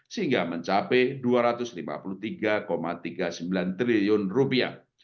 sehingga mencapai dua ratus lima puluh tiga tiga puluh sembilan triliun rupiah